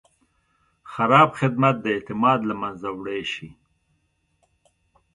خراب خدمت د اعتماد له منځه وړی شي.